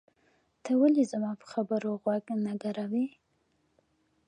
ته ولې زما په خبرو غوږ نه ګروې؟